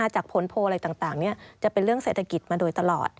จากผลโพลอะไรต่างจะเป็นเรื่องเศรษฐกิจมาโดยตลอด